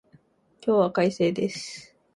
今日は快晴です